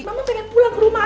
kamu pengen pulang ke rumah